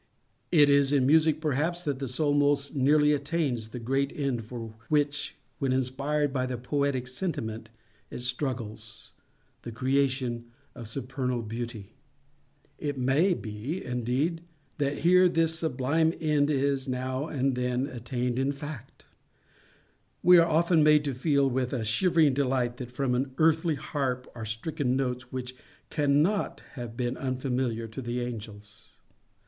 It is in Music perhaps that the soul most nearly attains the great end for which, when inspired by the Poetic Sentiment, it struggles—the creation of supernal Beauty. It _may _be, indeed, that here this sublime end is, now and then, attained in _fact. _We are often made to feel, with a shivering delight, that from an earthly harp are stricken notes which _cannot _have been unfamiliar to the angels.